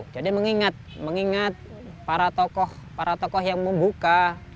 jadi mengingat mengingat para tokoh tokoh yang membuka